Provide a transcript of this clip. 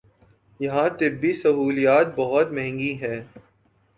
یہاں طبی سہولیات بہت مہنگی ہیں